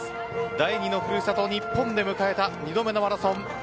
第２のふるさとの日本で迎えた２度目のマラソンです。